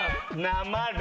なまる。